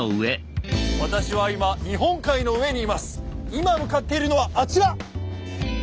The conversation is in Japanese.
今向かっているのはあちら！